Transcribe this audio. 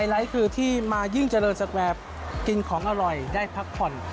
ไลท์คือที่มายิ่งเจริญสแกวบกินของอร่อยได้พักผ่อน